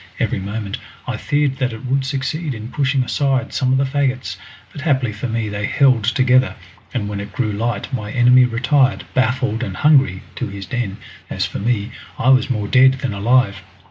Every moment I feared that it would succeed in pushing aside some of the faggots, but happily for me they held together, and when it grew light my enemy retired, baffled and hungry, to his den. As for me I was more dead than alive!